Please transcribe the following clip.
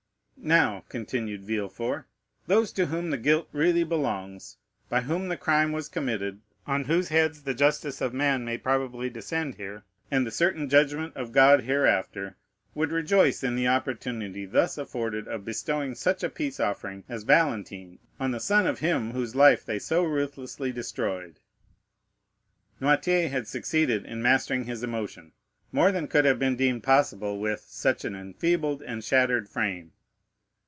"Now," continued Villefort, "those to whom the guilt really belongs, by whom the crime was committed, on whose heads the justice of man may probably descend here, and the certain judgment of God hereafter, would rejoice in the opportunity thus afforded of bestowing such a peace offering as Valentine on the son of him whose life they so ruthlessly destroyed." Noirtier had succeeded in mastering his emotion more than could have been deemed possible with such an enfeebled and shattered frame.